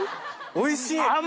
おいしい！